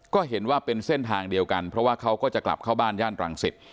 ก็เห็นว่าเป็นเส้นทางเดียวกันเพราะว่าเขาก็จะกลับเข้าบ้านย่านรังสิต